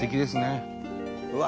うわ！